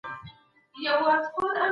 د کندهار صنعت کي د پانګې اچونې ګټې څه دي؟